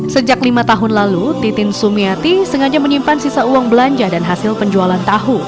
sejak lima tahun lalu titin sumiati sengaja menyimpan sisa uang belanja dan hasil penjualan tahu